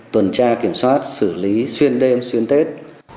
tuần tra kiểm soát xử lý xuyên đêm xuyên tết